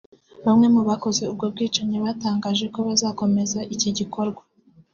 Bamwe mu bakoze ubu bwicanyi batangaje ko bazakomeza iki gikorwa